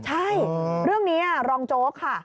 ใช่เรื่องนี้รองโจ๊กค่ะ